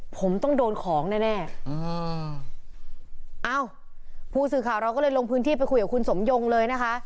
ผมต้องโดนของแน่แน่อ่าอ้าวผู้สื่อข่าวเราก็เลยลงพื้นที่ไปคุยกับคุณสมยงเลยนะคะ